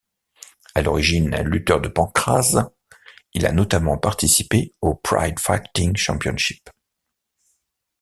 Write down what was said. À l'origine lutteur de pancrase, il a notamment participé au Pride Fighting Championship.